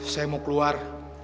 saya mau keluar